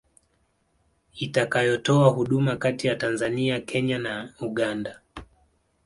itakayotoa huduma kati ya Tanzania Kenya na Uganda